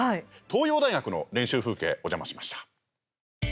東洋大学の練習風景お邪魔しました。